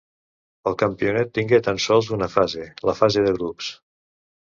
El campionat tingué tan sols una fase, la fase de grups.